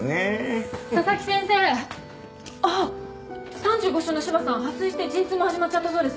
３５週の芝さん破水して陣痛も始まっちゃったそうです。